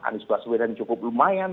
anies baswedan cukup lumayan